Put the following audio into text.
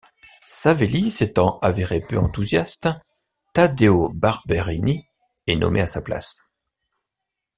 Savelli s'étant avéré peu enthousiaste, Taddeo Barberini est nommé à sa place.